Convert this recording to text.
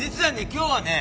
今日はね